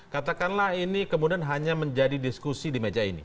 katakanlah ini kemudian hanya menjadi diskusi di meja ini